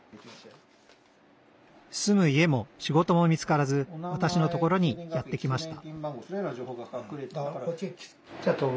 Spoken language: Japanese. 住む家も仕事も見つからずわたしのところにやって来ました